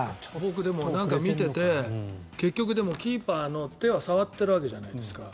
見ていて、キーパーの手は結局触っているわけじゃないですか。